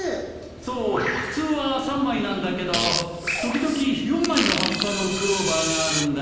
そう普通は３枚なんだけど時々４枚の葉っぱのクローバーがあるんだよ。